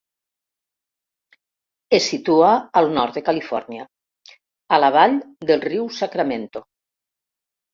Es situa al nord de Califòrnia, a la vall del riu Sacramento.